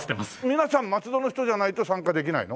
皆さん松戸の人じゃないと参加できないの？